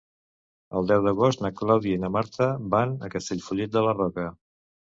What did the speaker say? El deu d'agost na Clàudia i na Marta van a Castellfollit de la Roca.